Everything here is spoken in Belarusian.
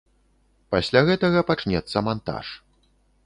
Пасля гэтага пачнецца мантаж.